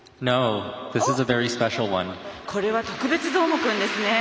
これは特別どーもくんですね！